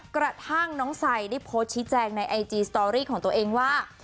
กระทั่งน้องไซดได้โพสต์ชี้แจงในไอจีสตอรี่ของตัวเองว่า